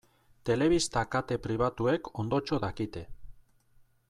Telebista kate pribatuek ondotxo dakite.